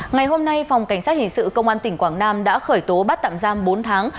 ngày hôm nay phòng cảnh sát hình sự công an tỉnh quảng nam đã khởi tố bắt tạm giam bốn tháng